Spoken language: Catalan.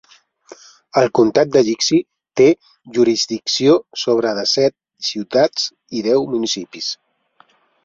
El comtat de Jixi té jurisdicció sobre de set ciutats i deu municipis.